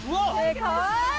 かわいい！